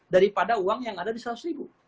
daripada uang yang ada di seratus ribu